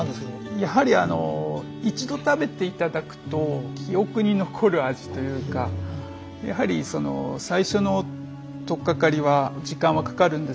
やはりあの一度食べていただくと記憶に残る味というかやはり最初の取っかかりは時間はかかるんですけど